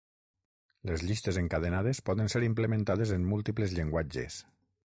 Les llistes encadenades poden ser implementades en múltiples llenguatges.